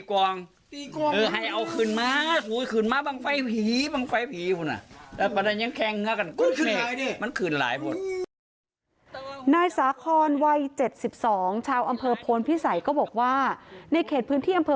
นายสาคอนวัย๗๒ชาวอำเภอโพนพิสัยก็บอกว่าในเขตพื้นที่อำเภอ